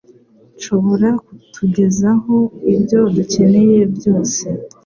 Nshobora kutugezaho ibyo dukeneye byose